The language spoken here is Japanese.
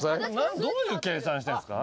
どういう計算してるんですか？